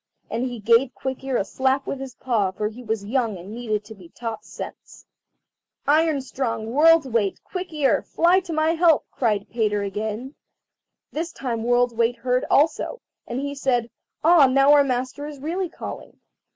And he gave Quick ear a slap with his paw, for he was young and needed to be taught sense. "Iron strong, World's weight, Quick ear, fly to my help!" cried Peter again. This time World's weight heard also, and he said, "Ah, now our master is really calling."